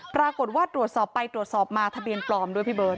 ปรากฏว่าตรวจสอบไปตรวจสอบมาทะเบียนปลอมด้วยพี่เบิร์